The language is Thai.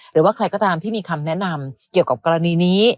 หรือว่าใครก็ตามที่มีคำแนะนำเกี่ยวกับกรณีนี้